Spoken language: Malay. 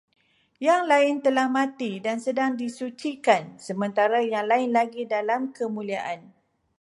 Yang lain telah mati dan sedang disucikan, sementara yang lain lagi dalam kemuliaan